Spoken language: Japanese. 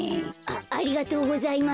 ありがとうございます。